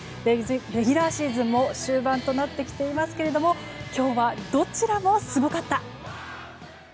レギュラーシーズンも終盤となってきていますが今日は、どちらもすごかった。